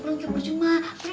sebaiknya aku aja dulu